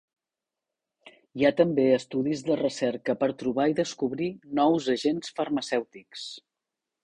Hi ha també estudis de recerca per trobar i descobrir nous agents farmacèutics.